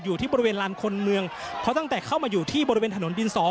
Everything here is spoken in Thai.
อยู่ที่บริเวณลานคนเมืองเพราะตั้งแต่เข้ามาอยู่ที่บริเวณถนนดิน๒